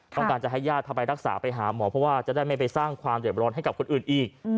ต้องการจะให้ญาติพาไปรักษาไปหาหมอเพราะว่าจะได้ไม่ไปสร้างความเด็บร้อนให้กับคนอื่นอีก